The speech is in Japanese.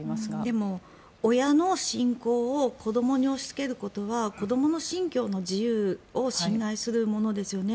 でも、親の信仰を子どもに押しつけることは子どもの信教の自由を侵害するものですよね。